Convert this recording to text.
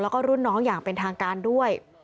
แล้วก็รุ่นน้องอย่างเป็นทางการด้วย